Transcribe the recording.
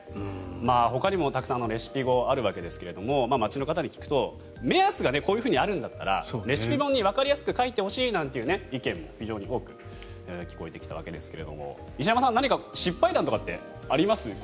ほかにもたくさんのレシピ語があるわけですが街の方に聞くと目安がこうあるんだったらレシピ本にわかりやすく書いてほしいなんていう意見も非常に多く聞こえてきたわけですが石山さん、何か失敗談とかってあります？